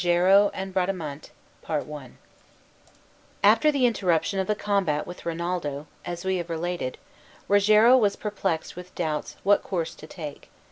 ROGERO AND BRADAMANTE After the interruption of the combat with Rinaldo, as we have related, Rogero was perplexed with doubts what course to take.